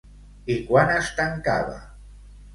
I quan es tancava?